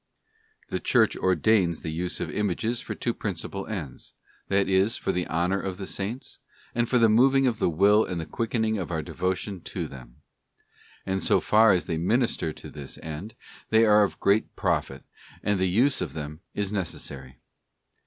The Church ordains the use of images for two principal ends: that is, for the honour of the Saints, and for the moving of the will and the quickening of our devotion to them. And so far as they minister to this end, they are of great profit, and the use of them is necessary.